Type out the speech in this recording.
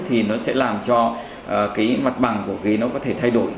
thì nó sẽ làm cho cái mặt bằng của khí nó có thể thay đổi